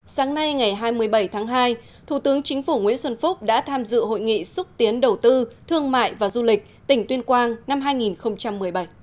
sáng nay ngày hai mươi bảy tháng hai thủ tướng chính phủ nguyễn xuân phúc đã tham dự hội nghị xúc tiến đầu tư thương mại và du lịch tỉnh tuyên quang năm hai nghìn một mươi bảy